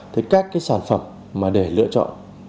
thế các cái sản phẩm mà để lựa chọn